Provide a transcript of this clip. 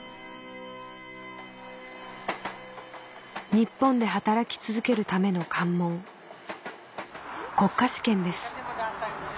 日本で働き続けるための関門国家試験です